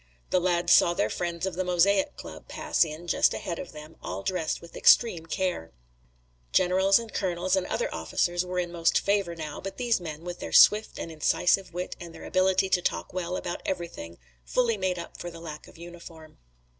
The lads saw their friends of the Mosaic Club pass in just ahead of them, all dressed with extreme care. Generals and colonels and other officers were in most favor now, but these men, with their swift and incisive wit and their ability to talk well about everything, fully made up for the lack of uniform.